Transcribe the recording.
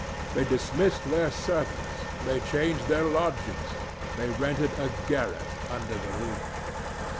They dismissed their servant; they changed their lodgings; they rented a garret under the roof.